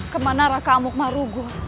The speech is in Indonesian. kemana raka amuk marugul